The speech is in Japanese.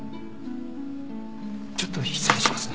ちょっと失礼します。